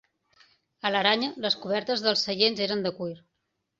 A l'Aranya les cobertes dels seients eren de cuir.